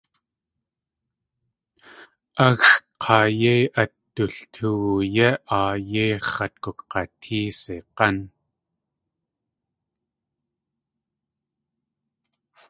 Áxʼ k̲aa ée at dultóow yé áa yéi x̲at gug̲watée seig̲án.